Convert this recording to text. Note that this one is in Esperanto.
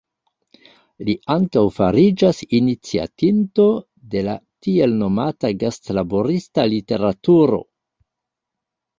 Li ankaŭ fariĝas iniciatinto de la tiel nomata gastlaborista literaturo.